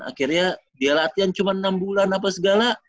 akhirnya dia latihan cuma enam bulan apa segala